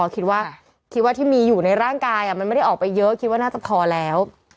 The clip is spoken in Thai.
คิดว่าคิดว่าที่มีอยู่ในร่างกายมันไม่ได้ออกไปเยอะคิดว่าน่าจะพอแล้ว